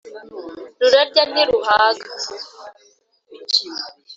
Rurarya ntiruhaga.